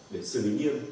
để xử lý nghiêm